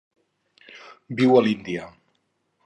Viu a l'Índia.